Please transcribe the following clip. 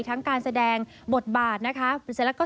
การแสดงบทบาทนะคะ